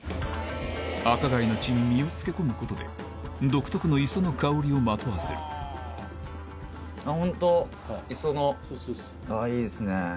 赤貝の血に身を漬け込むことで独特の磯の香りをまとわせる本当磯のあぁいいですね。